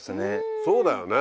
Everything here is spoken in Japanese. そうだよね。